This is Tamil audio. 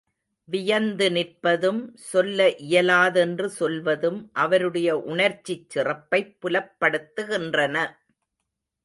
வியந்து நிற்பதும், சொல்ல இயலாதென்று சொல்வதும் அவருடைய உணர்ச்சிச் சிறப்பைப் புலப்படுத்துகின்றன.